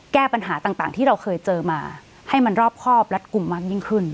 แก้ปัญหาต่างที่เราเคยเจอมาให้มันรอบครอบรัดกลุ่มมากยิ่งขึ้น